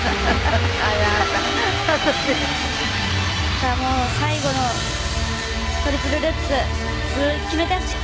「さあもう最後のトリプルルッツ決めてほしい」